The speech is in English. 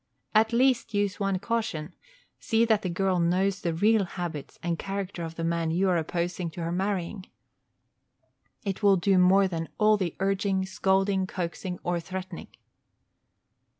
At least use one caution; see that the girl knows the real habits and character of the man you are opposed to her marrying. It will do more than all the urging, scolding, coaxing, or threatening.